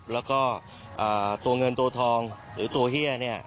แล้วก็ตัวเงินตัวทองหรือตัวเฮียเนี่ย